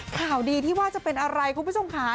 ข่าวดีที่ว่าจะเป็นอะไรคุณผู้ชมค่ะ